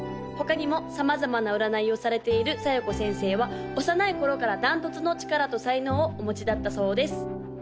他にも様々な占いをされている小夜子先生は幼い頃から断トツの力と才能をお持ちだったそうです